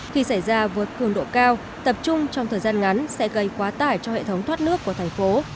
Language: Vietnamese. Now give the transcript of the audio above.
khi xảy ra vượt cường độ cao tập trung trong thời gian ngắn sẽ gây quá tải cho hệ thống thoát nước của thành phố